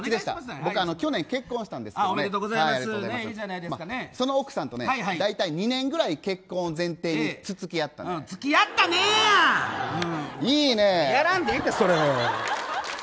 僕、去年結婚したんですけどねその奥さんと大体２年ぐらい結婚を前提に付き合ったねや！やらんでいいってそれは。